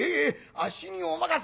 あっしにお任せを」。